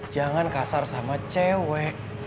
jangan kasar sama cewek